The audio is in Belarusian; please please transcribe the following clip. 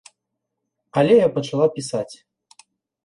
Але я пачала пісаць.